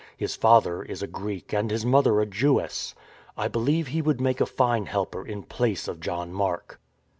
His father is a Greek and his mother a Jewess. I believe he would make a fine helper in place of John Mark."